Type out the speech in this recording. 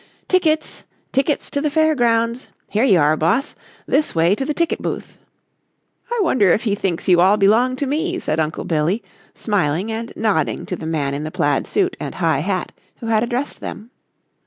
"Tickets, tickets to the fair grounds! Here you are, boss! This way to the ticket booth." "I wonder if he thinks you all belong to me?" said Uncle Billy, smiling and nodding to the man in the plaid suit and high hat who had addressed them.